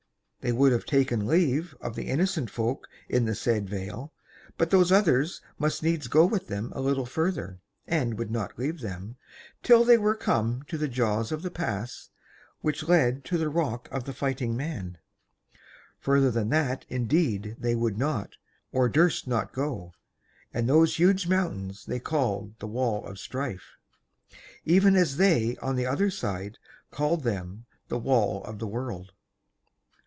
They would have taken leave of the Innocent Folk in the said vale, but those others must needs go with them a little further, and would not leave them till they were come to the jaws of the pass which led to the Rock of the Fighting Man. Further than that indeed they would not, or durst not go; and those huge mountains they called the Wall of Strife, even as they on the other side called them the Wall of the World.